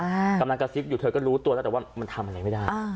กำลังกระซิบอยู่เธอก็รู้ตัวแล้วแต่ว่ามันทำอะไรไม่ได้อ่า